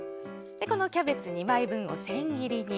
キャベツ２枚分を千切りに。